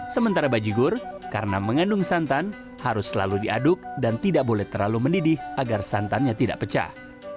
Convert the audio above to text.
sementara bajigur karena mengandung santan harus selalu diaduk dan tidak boleh terlalu mendidih agar santannya tidak pecah